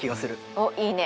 おっいいね！